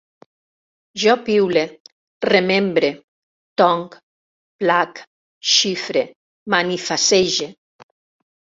Jo piule, remembre, tonc, plac, xifre, manifassege